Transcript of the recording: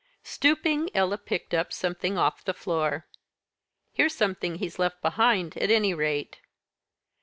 Stooping, Ella picked up something off the floor. "Here's something he's left behind, at any rate."